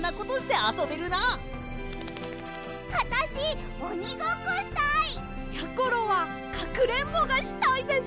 あたしおにごっこしたい！やころはかくれんぼがしたいです！